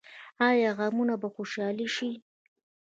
آیا غمونه به خوشحالي شي؟